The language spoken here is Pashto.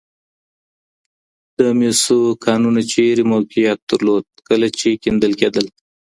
د مسو کانونه چیرته موقعیت درلود کله چې کیندل کيدل؟